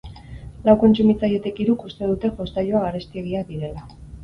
Lau kontsumitzailetik hiruk uste dute jostailuak garestiegiak direla.